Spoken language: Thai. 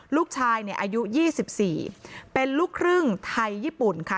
ลูกชายอายุ๒๔เป็นลูกครึ่งไทยญี่ปุ่นค่ะ